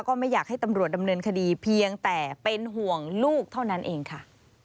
ก็ไม่อยากให้ตำรวจดำเนินคดีเพียงแต่เป็นห่วงลูกเท่านั้นเองค่ะ